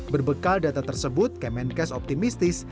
berbekal data tersebut kemenkes optimistis